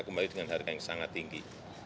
kembali dengan harga yang sangat tinggi